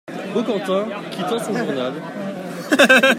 Baucantin , quittant son journal.